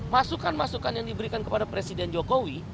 masukan masukan yang diberikan kepada presiden jokowi